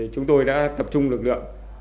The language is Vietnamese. chúng tôi đã tập trung lực lượng